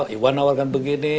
iwan tawarkan begini